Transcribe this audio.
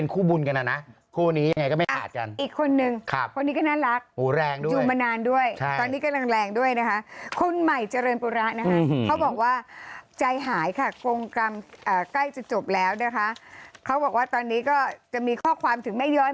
กรงกรรมใกล้จะจบแล้วนะคะเขาบอกว่าตอนนี้ก็จะมีข้อความถึงแม่ย้อย